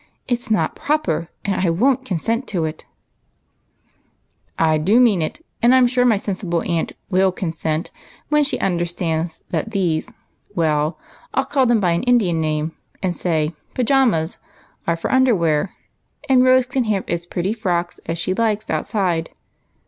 It 's not proper, and I won't consent to it !"." I do mean it, and I 'm sure my sensible aunt loill consent when she understands that these, — well, — I '11 call them by an Indian name, and say, — pajamas, — are for underwear, and Rose can have as pretty frocks as she likes outside.